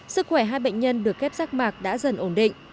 sức khỏe hai bệnh nhân được ghép rác mạc đã dần ổn định